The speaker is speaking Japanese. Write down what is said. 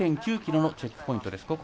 ５．９ｋｍのチェックポイント。